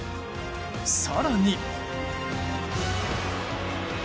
更に。